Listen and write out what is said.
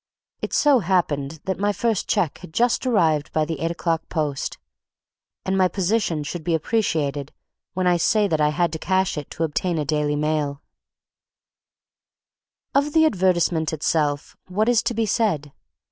It so happened that my first check had just arrived by the eight o'clock post; and my position should be appreciated when I say that I had to cash it to obtain a Daily Mail. Of the advertisement itself, what is to be said?